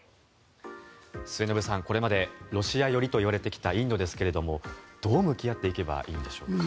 末延さん、これまでロシア寄りといわれてきたインドですけれどもどう向き合っていけばいいんでしょうか。